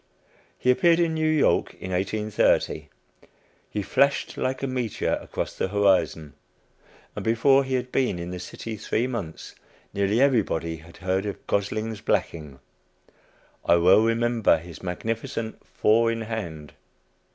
He appeared in New York in 1830. He flashed like a meteor across the horizon; and before he had been in the city three months, nearly everybody had heard of "Gosling's Blacking." I well remember his magnificent "four in hand."